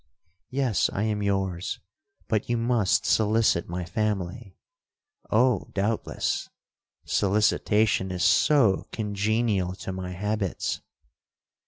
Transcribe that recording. '—'Yes, I am yours; but you must solicit my family.'—'Oh, doubtless!—solicitation is so congenial to my habits.'